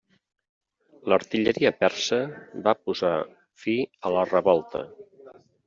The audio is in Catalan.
L'artilleria persa va posar fi a la revolta.